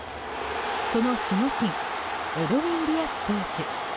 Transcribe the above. その守護神エドウィン・ディアス投手。